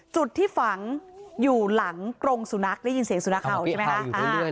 จุดที่ฝังอยู่หลังกรงสุนัขได้ยินเสียงสุนัขเห่าใช่ไหมคะ